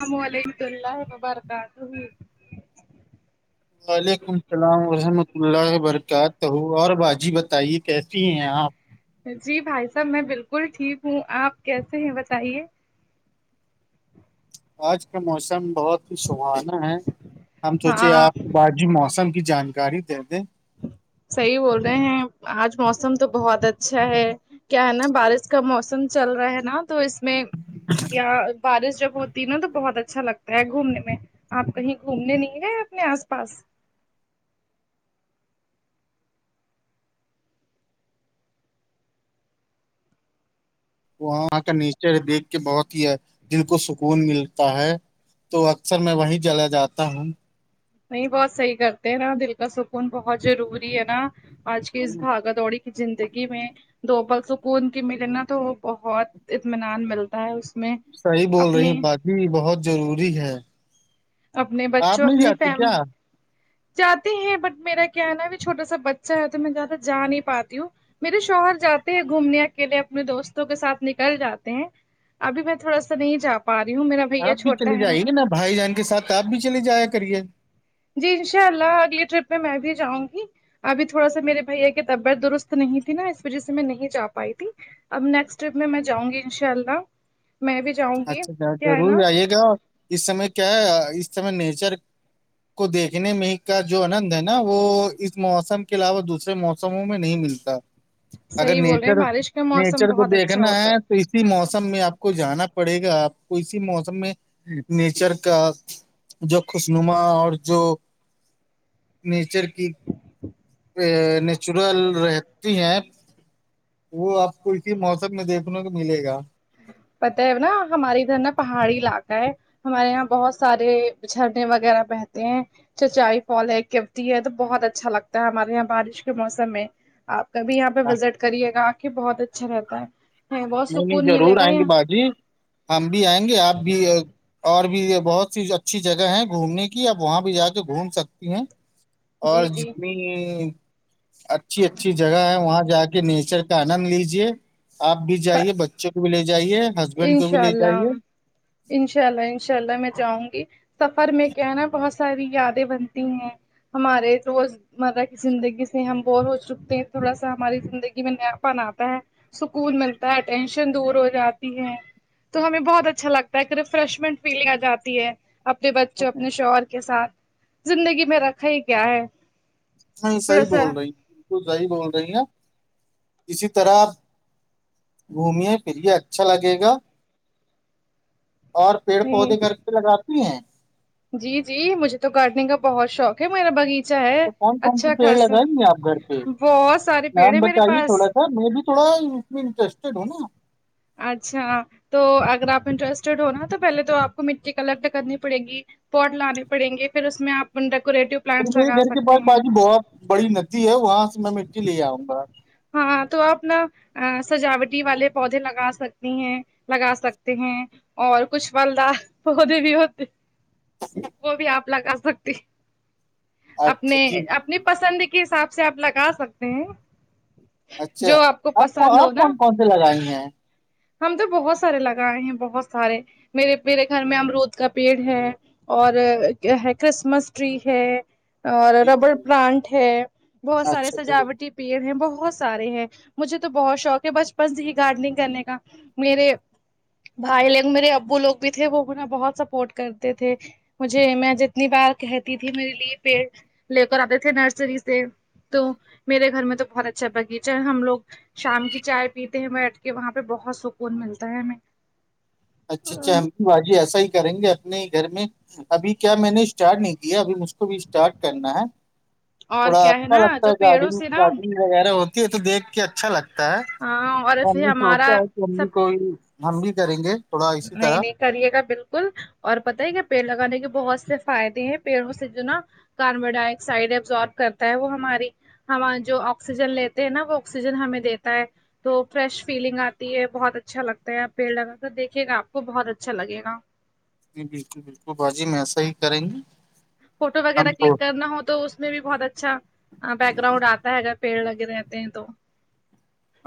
السلام و علیکمت اللہ وبرکاتہ وعلیکم السلام ورحمۃ اللہ وبرکاتہ اور واہ جی بتائیے کیسی ہیں اپ جی بھائی صاحب میں بالکل ٹھیک ہوں آپ کیسے ہیں بتائیے آج کا موسم بہت ہی سہانا ہے ہم سوچے ہاں آپ باجی موسم کی جانکاری دے دیں صحی بول رہے ہیں آج موسم تو بہت اچھا ہے کیا ہے نا بارش کا موسم چل رہا ہے نا تو اس میں بارش جب ہوتی ت نا تو بہت اچھا لگتا ہے گھومنے میں آپ کہیں گھومنے نہیں گئے اپنے آس پاس وہاں کا نیچر دیکھ کے بہت ہی دل کو سکون ملتا ہے تو اکثر میں وہی جلا جاتا ہوں نہیں بہت صحیح کرتے ہیں نا دل کا سکون بہت ضروری ہے نا آج کی اس ہم، بھاگا دوڑی زندگی میں دو بل سکون کی مل نا تو وہ بہت اطمینان ملتا ہے اس میں صحیح بول رہی اپنے باجی بہت ضروری ہے اپنے بچوں آپ نہیں اپنی جاتی فیملی کیا جاتے ہیں بٹ میرا کیا ہے ناب چھوٹا سا بچہ ہے تو میں زیادہ جا نہیں پاتی ہوں میرے شوہر جاتے ہیں گھومنے اکیلے اپنے دوستوں کے ساتھ نکل جاتے ہیں ابھی میں تھوڑا سا نہیں جا پا رہی ہوں میرا بھیا آپ بھی چلے چھوٹا ہے جائ گے نا بھائی جان کے ساتھ آپ بھی چلے جایا کریے جی انشاء اللہ اگلی ٹرپ میں میں بھی جاؤں گی ابھی تھوڑا سا میرے بھیا کی طبیعت درست نہیں تھی نا اس وجہ سے میں نہیں جا پائی تھی اب نیکسٹ ٹرپ میں میں جاؤں گی انشاء اللہ میں بھی جاؤں گی اچھاچ کیا ہے ضرور نا آئیے گا اس سمے کیا ہے اس سمے نیچر کو دیکھنے میں کا جو آنند ہے نا وہ اس موسم کے علاوہ دوسرے موسم سمو میں نہیں ملتا اگر صحیح بول رہے ہیں نیچر بارش کا موسم نیچر کو بہت اچھا دیکھنا ہوتا ہے تو اسی موسم میں آپ کو جانا پڑے گا آپ کو اسی موسم میں نیچر کا جو خوش نما اور جو نیچر کی نیچرل رہتی ہیں وہ آپ کو اسی موسم میں دیکھنے کو ملے گا پتا ہے نا ہمارے ادھر نا پہاڑی علاقہ ہے ہمارے یہاں بہت سارے جھرنے وغیرہ بہتے ہیں چچائی پال ہے کیوتی ہے تو بہت اچھا لگتا ہے ہمارے یہاں بارش کے موسم میں آپ کبھی یہاں پہ وزٹ کریے گا کے بہت اچھا رہتا ہے بہت نہیں نہیں سکون ملے ضرور گا آئیں گے یہاں باجی ہم بھی آئیں گے آپ بھی اور بھی یہ بہت سی اچھی جگہ ہے گھومنے کی اپ وہاں بھی جا کے گھوم سکتی ہیں اور جی جی جتنی اچھی اچھی جگہ ہے وہاں جا کے نیچر کا آنند لیجے آپ بھی جائیے بچوں کو بھی لے جائیے ہسبینڈ کو بھی انشاء لے اللہ جائیے انشاء اللہ انشاء اللہ میں جاؤں گی سفر میں کیا ہے نا بہت ساری یادیں بنتی ہیں ہمارے روز مرہ کی زندگی سے ہم بور ہو چکتے ہیں تھوڑا سا ہماری زندگی میں نیاپن آتا ہے سکون ملتا ہے ٹینشن دور ہو جاتا تو ہمیں بہت اچھا لگتا ہے ایک ریفریشمنٹ فیل آ جاتی ہے اپنے بچوں اپنے شور کے ساتھ زندگی میں رکھا ہی کیا ہے نہیں تھوڑا صحیح سا بول رہی بالکل صحیح بول رہی ہیں اسی طرح آپ گھومے پھرے اچھا لگے گا اور پیڑ پودے گ کے لگاتے ہیں جی جی مجھے تو گارڈننگ کا بہت شوق ہے میرا باغیچہ ہے تو کون کون سے اچھا پیڑ خاصا لگائیں گے آپ گھر پہ بہت سارے پیڑ نام ہے میرے بتائیے پاس تھوڑا س سر میں بھی تھوڑا اس میں انٹرسٹیڈ ہوں نا اچھا تو اگر آپ انٹرسٹیڈ ہو نا تو پہلے تو آپ کو مٹی کا الگٹ کرنی پڑے گی پوٹ لانے پڑیں گے پھر اس میں آپ ڈیکوریٹو ارے پلانٹس میرے لگا گھر کے سکتے پاس ہیں باجی با بڑی ندی ہے وہاں سے میں مٹی لے آؤں گا ہاں تو آپنا ا سجاوٹی والے پودے لگا سکتی ہیں لگا سکتے ہیں اور کچھ پدا پودے بھی ہوتے وہ بھی آپ لگا سکتی اچھا اپنے جی جی اپنی جی پسند کے حساب سے آپ لگا سکتے ہیں اچھا جو آپ کو پسند ہو اورپ کون نا کون سی لگائی ہیں ہم تو بہت سارے لگائے ہیں بہت سارے میرے میرے گھر میں امرود کا پیڑ ہے اور ہے کرسمس ٹری ہے اور جی ربڑ جی پلانٹ ہے بہت سارے اچھا جی سجاوٹی پیڑ ہے بہت بہت سارے ہیں مجھے تو بہت شوق ہے بچپن سے ہی گارڈننگ کرنے کا میرے بھائی لگ میرے ابو لوگ بھی تھے وہا بہت سپورٹ کرتے تھے مجھے میں جتنی بار کہتی تھی میرے لیے پیڑ لے کر آتے تھے نرسری سے تو میرے گھر میں تو بہت اچھا بغیچہ ہم لوگ شام کی چائے پیتے بیٹھ کے وہاں پہ بہت سکون ملتا ہے ہمیں اچھا اچھا ہم بھی باجی ایسا ہی کریں گے اپنے ہی گھر میں ابھی کیا میں نے اسٹارٹ نہیں کیا ابھی مجھ کو بھی اسٹارٹ کرنا ہے اور تھوڑا کیا اچھا نا لگتا جو ہے پیڑوں گڈنگ سے نا گارڈنگ وغیرہ ہوتی ہے تو دیکھ کے اچھا لگتا ہے اور تو ہم پھر نے سوچا ہمارا ہے کہ ہم بھی سب کوئی ہم بھی کریں گے تھوڑا اسی نہیں طرح نہیں کریے گا بالکل اور پت ہی کیا پیڑ لگانے کے بہت سے فائدے ہیں پیڑوں سے جو نا کاربن ڈائی آکسائڈ ایبزارب کرتا ہے وہ ہماری ہم جو آکسیجن لیتے ہیں نا وہ آکسیجن ہمیں دیتا ہے تو فریش فیلنگ آتی ہے بہت اچھا لگتا ہے آپ پیڑ لگا کر دیکھ گا آپ بہت اچھا لگےا جی بالکل بالکل باجی میں ایسا ہی کریں گی فوٹو وغیرہ کلک کرنا ہو تو اس میں بھی بہت اچھا بیک گراؤنڈ آتا ہے اگر پیڑ لگے رہتے ہیں تو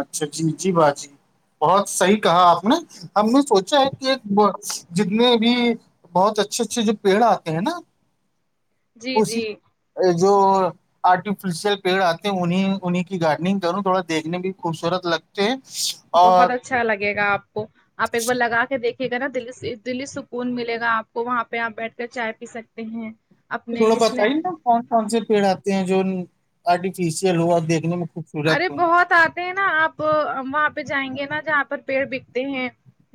اچھا جی نیچی باتی بہت صحیح کہا آپ نے ہم نے سوچا ہے کہ ایک جتنے بھی بہت اچھے اچھے جو پیڑ آتے ہیں نا جی اسی جی جو آرٹیفیشیل پیڑ آتے ہیں انہیں انیں کی گارڈننگ کروں تھوڑا دیکھنے بھی خوبصورت لگتے اور بہت اچھا لگے گا آپ کو آپ ایک بار لگا کے دیکھ ٹھیک ہے نا دلی سے دلی سکون ملے گا آپ کو وہاں پہ آپ بیٹھ کر چائے پی سکتے ہیں تو اپنے تھوڑا اس نے بتائیے نا کون کون سے پیڑ آتے ہیں جو آرٹیفیشیل ہو اور دیکھنے میں خوب ارے بہت آ نا آپ وہاں پہ جائیں گے نا جہاں پر پیڑ بکتے ہیں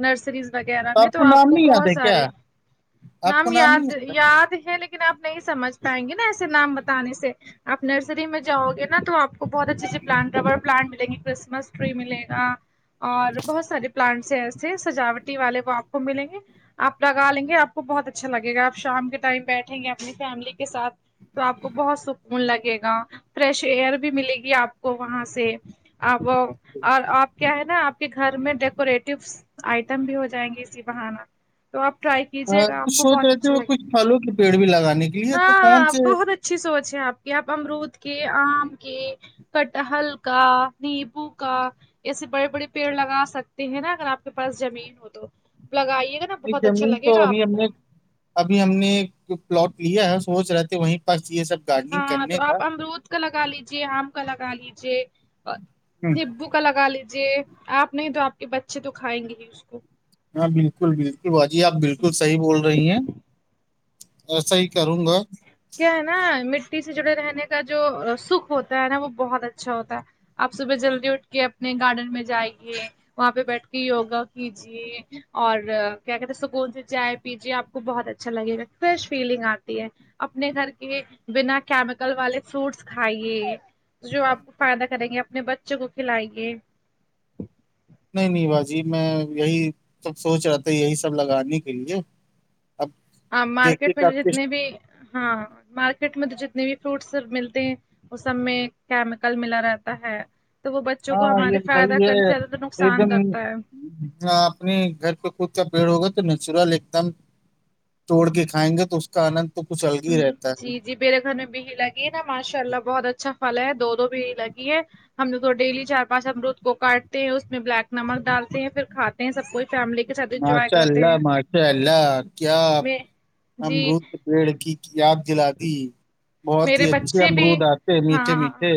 نرسریز وغیرہ میں تو آپ نام کو نہیں یاد بہت ہے سارے کیا آپ کو نام نہیں یاد ہے یاد ہے لیکن آپ نہیں سمجھ پائیں گے نا ایسے نام بتانے سے آپ نرسری میں جاؤ گے نا تو آپ کو بہت اچھے اچھے پلانٹ ربر پلانٹ ملیں گے کرسمس ٹری ملے گا اور بہت سارے پلانٹس ہیں ایسے سجاوٹی والے کو آپ کو ملیں گے آپ لگا لیں گے آپ کو بہت اچھا لگے گا آپ شام کے ٹائم بیٹھیں گے اپنی فیملی کے ساتھ تو آپ کو بہت سکون لگے گا فریش ایئر بھی ملے گی آپ کو وہاں سے وہ اور آپ کیا ہے نا آپ کے گھر میں ڈیکوریٹو آئٹم بھی ہو جائیں گے اسی بہانا تو آپ ٹرائی کیجیے آ، گا کچھ آپ کو سوچ بہت رہے تھے اچھا وہ لگے گا کچھ پھلوں کے پیڑ بھی لگانے کے لیے تو کون ہاں سے بہت اچا اچھی سوچ ہے آپ کی آپ امرود کے آم کے کٹا حلکا نیبو کا ایسے بڑے بڑے پیڑ لگا سکتے ہیں نا اگر آپ کے پاس زمین ہو تو لگائیے گا نا نہیں بہت اچھا زمین لگے تو گا ابھی آپ ہم کو نے ابھی ہم نے پلاٹ لیا ہے سوچ رہے تھے وہیں پاس یہ سب گارڈننگ ہاں تو کرنے کا آپ امرود کا لگا لیجے آم کا لگا لیجے ہوں، نبو کا لگا لیجے آپ نہیں تو آپ کے بچے تو کھائیں گے ہی اس کو ہاں بالکل بالکل بھاجی آپ بالکل صحیح بول رہی ہیں ایسا ہی کروں گا کیا ہے نا مٹی سے جڑے رہنے کا جو سکھ ہوتا ہے نا وہ بہت اچھا ہوتا ہے آپ صبح جلدی اٹھ کے اپنے گارڈن میں جائیے وہاں پہ بیٹھ کے یوگا کیجیے اور کیا کہتے ہیں سکون سے جائے پیجے آپ کو بہت اچھا لگے گا فریش فیلنگ آتی ہے اپنے گھر کے بنا کیمیکل والے فروٹس کھائیے جو آپ کو فائدہ کریں گے اپنے بچوں کو کھلائیں گے نہیں نہیں باجی میں یہی سب سوچ رہا تھا یہی سب لگانے کے لیے اب ہاں مارکیٹ دیکھیے کہ میں جو آپ کے جتنے بھی ہاں مارکیٹ میں تو جتنے بھی فروٹس ملتے ہیں وہ سب میں کیمیکل ملا رہتا ہے تو وہ بچوں کو ہاں یہ ہمارے فائدہ صحیح کرنے زیادہ تو نقصان کرتا ہے جھ اپنے گھر پہ خود کا پیڑ ہوگا تو نیچرل ایک دم توڑ کے کھائیں گے تو اس کا آنند تو کچھ الگ ہی رہتا ہے جی جی میرے گھر میں بھی ہی لگی ہے نا ماشاء اللہ بہت اچھا پھل ہے دو دو بھی ہ لگی ہے ہم لگ تھ ڈیلی چار پانچ امرود کو کاٹتے ہیں اس میں بلیک نمک ڈالتے ہیں پھر کھاتے ہیں سب کچھ ماشاء اللہ ماشاء اللہ کیا میں جی ار پیڑ کی یاد دلا دی بہت ہی میرے اچھے بچے بھی امرود آتے میٹھے ہاں میٹھے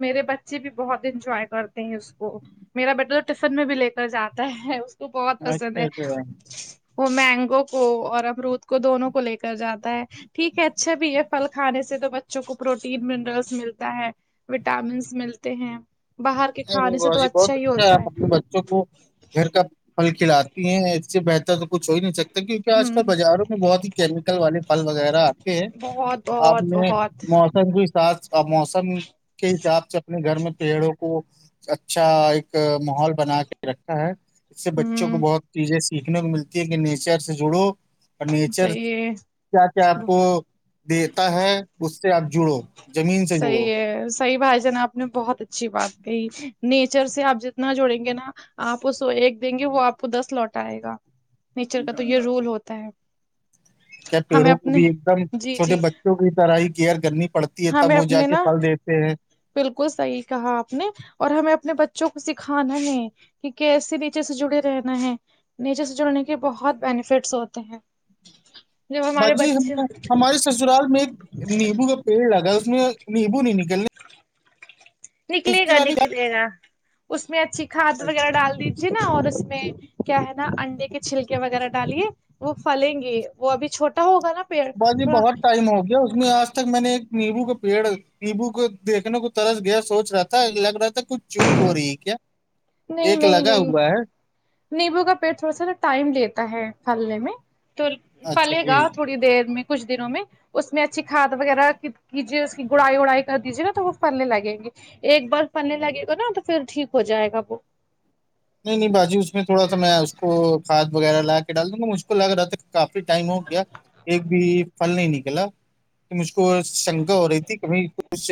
میرے بچے بھی بہت انجوائے کرتے ہیں اس کو میرا بیٹا تو ٹفن میں بھی لے کر جاتا ہے اس کو بہت پسند اچھا ہے اچھا وہ مینگو کو اور امروود کو دونوں کو لے کر جاتا ہے ٹھیک ہے اچھا بھی ہے پھل کھے سے سے تو بچوں کو پروٹین منرلس ملتا ہے وٹامنس ملتے ہیں باہر کے نہیں نہیں کھانے سے تو بی بہت ہی اچھا ہے ہوتا اپنے بچوں کو گھر کا پھل کھلاتی ہیں اس سے بہتر تو کچھ ہو ہی نہیں سکتا تو کیونکہ آج ہ کل بازاروں میں بہت ہی کیمیکل والے پل وغیرہ آتے ہیں بہت آپ بہت نے بہت موسم کے حھ موسم کے حساب سے اپنے گھر میں پیڑوں کو اچھا ایک ماحول بنا کے رکھا ہے اس سے بچوں کو ہ بہت چیزیں سیکھنے کو ملتی ہے کہ نیچر سے جڑو اور نیچر صحیح ہے کیا کیا آپ کو دیتا ہے اس سے آپ جڑو زمین سے صحی جڑو ہے صحیح بھائی جان آپ نے بہت اچھی بات کہی نیچر سے آپ جتنا جوڑیں گے نا آپ اس ایک دیں گے وہ آپ کو دس لوٹ آائے گا نیچر کا تو یہ رول ہوتا ہے کیا ہمیں پیڑوں کو اپنے بھی ایک دم جی چھوٹے جی بچے کیئی طرح ہی گیئر گرنی پڑتی ہے تب ہمیں وہ جا اپنے کے نا پھل دیتے ہیں بالکل صحیح کہا آپ نے اور ہمیں اپنے بچوں کو سکھانا نے کہ کیسے نیچے سے جڑے رہنا ہے نیچے سے جڑنے کے بہت بینیفٹس ہوتے ہیں جی باجی ہم ہمارے سسرال میں ایک نیبو کا پیڑ لگا اس میں نیبو نہیں نکلنے اس نکلے کے گا لانے نکلے گا اس میں اچھی کھاد وغیرہ ڈال دی جی نا اور اس میں کیا ہے نا انڈے کے چھلکے وغیرہ ڈالیے وہ پھلیں گے وہ ابھی چھوٹا ہوگا نا پیڑ باجی تھوڑا بہت ٹائم ہو گیا اس میں آج تک میں نے ایک نیمبو کا پیڑ نیبو کو دیکھنے کو ترس گیا سوچ رہا تھا لگ رہا تھا کچھ چوک ہو رہی ہے کیا نہیں ایک نہیں لگا نہیں ہوا ہے نیبو کا پیڑ تھوڑا سا نا ٹائم لیتا ہے پھلنے میں تو اچھا پلے جی گا تھوڑی دیر میں کچھ دنوں میں اس میں اچھی کاد وغیرہ کیجیے اس کی گڑائی وڑائی کر دیجیے نا تو وہ پلنے لگیں گے ایک برف پڑنے لگے گا نا تو پھر ٹھیک ہو جائے گا وہ نہیں نہیں باجی اس میں تھوڑا سا میں اس کو کھاد وغیرہ لا کے ڈال دوں گا مجھکل لگ رہا تھا کافی ٹائم ہو گیا ایک بھی پھل نہیں نکلا کہ مجھ کو شنکا ہو رہی تھی کبھی کچھ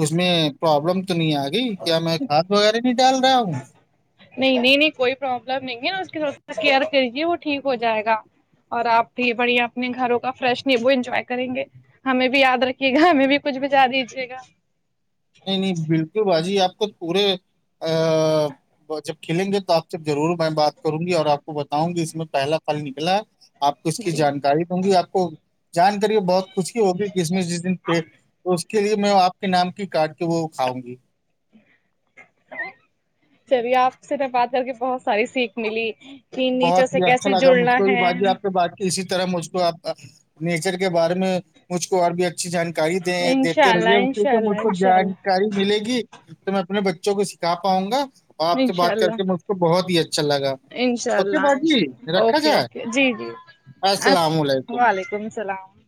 اس میں پرابلم تو نہیں آ گئی کیا میں کھاد وغیرہ نہیں ڈال رہا ہوں نہیں نہیں نہیں کوئی پروابلم نہیں ہے نا اس کی تھوڑا سا کیئر کریے وہ ٹھیک ہو جائے گا اور آپ بھی بڑھیا اپنے گھروں کا فریش نہیں وہ انجوائے کریں گے ہمیں بھی یاد رکھیے گا ہمیں بھی کچھ بجا دیجیے گا نہیں نہیں بالکل باجی آپ کو پورے ا جب کھلیں گے تو آپ سے ضرور میں بات کروں گی اور آپ کو بتاؤں گی اس میں پہلا پھل نکلا ہے آپ کو اس کی جی جانکاری دوں گی آپ کو جان کری بہت کچھ کی ہوگی کرسمس جس دن پیٹ اس کے لیے میں آپ کے نام کی کاٹ کے وہ کھاؤں گی چلیے آپ سے تو بات کر کے بہت ساری سیکھ ملی کہ بہت نیچے سے ہی اچھا کیسے لگا مجھ جڑنا کو بھی ہے باجی آپ سے بات اسی طرح مجھ کوپ نیچر کے بارے میں مجھ کو اور بھی اچھی جانک ڑی انشاء دیتے رہیے اللہ اس انشاء سے مج اللہ کو انشاء جائ اللہ کاری ملے گی تو میں اپنے بچوں کو سکھا پاؤں گا آپ سے انشاء بات کر اللہ انشاء اللہ کے مجھ کو بہت ہی اچھا لگا انشاء اک بازی اللہ رکھا اوکے جائے اوکے جی جی السلام اس علیکم وعلیکم السلام